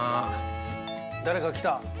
誰か来た。